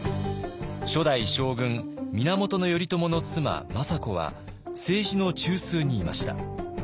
初代将軍源頼朝の妻政子は政治の中枢にいました。